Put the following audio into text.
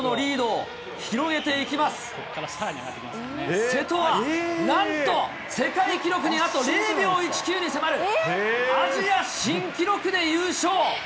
ここからさらに上がってきま瀬戸はなんと、世界記録にあと０秒１９に迫る、アジア新記録で優勝。